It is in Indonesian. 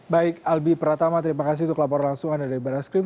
baik albi pratama terima kasih untuk laporan langsung dari baris krim